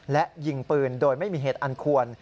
และยิงปืนโดยไม่มีเหตุอันควร